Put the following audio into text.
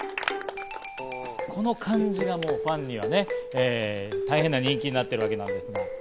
この感じがもうファンにはね、大変な人気になっているわけなんですけれども。